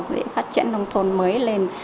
và để phát triển nông thôn mới lên